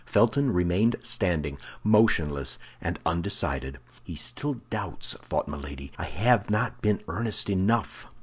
Felton remained standing, motionless and undecided. "He still doubts," thought Milady; "I have not been earnest enough."